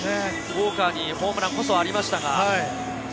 ウォーカーにホームランこそありましたが。